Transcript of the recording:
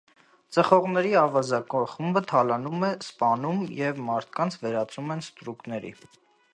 «Ծխողների» ավազակախումբը թալանում է, սպանում և մարդկանց վերածում են ստրուկների։